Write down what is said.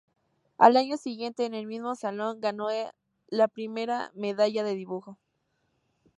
Al año siguiente, en el mismo Salón, ganó la Primera Medalla de Dibujo.